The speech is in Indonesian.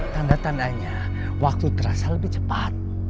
tanda tandanya waktu terasa lebih cepat